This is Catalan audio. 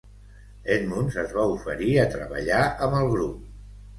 Edmunds es va oferir a treballar amb el grup.